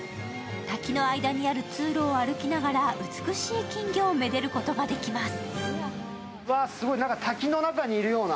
滝の間にある通路を歩きながら美しい金魚をめでることができます。